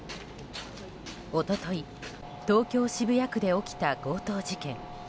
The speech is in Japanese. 一昨日、東京・渋谷区で起きた強盗事件。